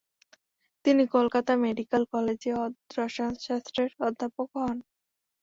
তিনি কলকাতা মেডিক্যাল কলেজে রসায়নশাস্ত্রের অধ্যাপকও হন।